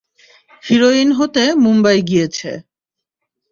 Heroine হতে মুম্বাই গিয়েছে।